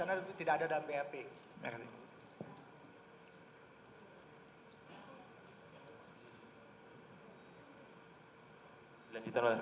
tapi saya tidak bisa membahas karena tidak ada dalam bap